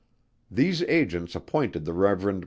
These agents appointed the Rev. Mr.